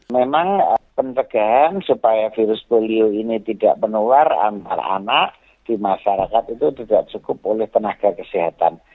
memang pencegahan supaya virus polio ini tidak menular antara anak di masyarakat itu tidak cukup oleh tenaga kesehatan